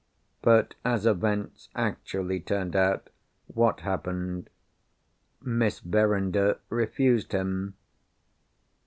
But, as events actually turned out, what happened? Miss Verinder refused him.